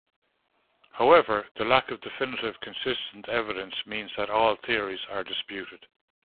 However, the lack of definitive, consistent evidence means that all theories are disputed.